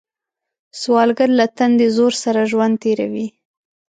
سوالګر له تندي زور سره ژوند تېروي